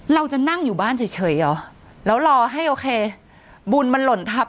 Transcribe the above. เราจะนั่งอยู่บ้านเฉยเหรอแล้วรอให้โอเคบุญมันหล่นทัพ